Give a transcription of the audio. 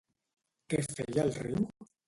Què feia el riu?